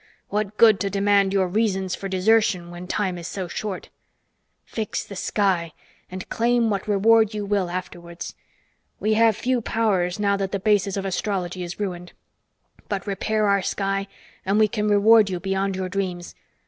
What good to demand your reasons for desertion when time is so short? Fix the sky and claim what reward you will afterwards. We have few powers now that the basis of astrology is ruined. But repair our sky and we can reward you beyond your dreams.